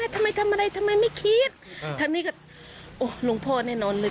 ทำไมทำอะไรทำไมไม่คิดทางนี้ก็โอ้หลวงพ่อแน่นอนเลย